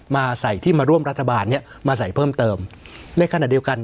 มาใส่ที่มาร่วมรัฐบาลเนี้ยมาใส่เพิ่มเติมในขณะเดียวกัน